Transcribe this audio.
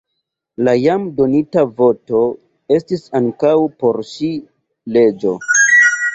La jam donita voto estis ankaŭ por ŝi leĝo.